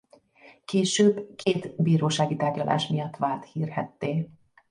Később két bírósági tárgyalás miatt vált hírhedtté.